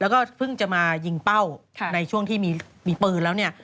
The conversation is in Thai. แล้วก็เพิ่งจะมายิงเป้าในช่วงที่มีปืนแล้วเนี่ย